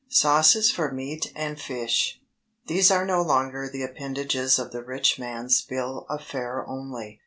SAUCES FOR MEAT AND FISH. These are no longer the appendages of the rich man's bill of fare only.